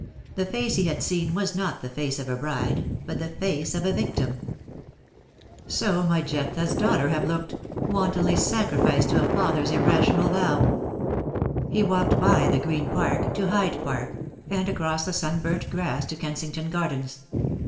The face he had seen was not the face of a bride, but the face of a victim. So might Jephthah's daughter have looked — wantonly sacrificed to a father's irrational vow. DEAD LOVE HAS CHAINS. 285 He walked by the Green Park to Hyde Park, and across the sunburnt grass to Kensington Gar dens.